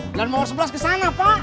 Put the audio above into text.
jalan mawar sebelas kesana pak